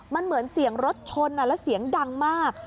มันเหมือนเสียงรถชนแล้วเสียงดังมาก